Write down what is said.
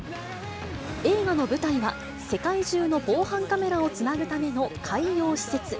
映画の舞台は、世界中の防犯カメラをつなぐための海洋施設。